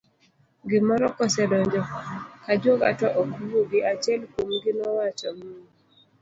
gimoro kosedonjo kajwoga to ok wuogi, achiel kuomgi nowacho mh!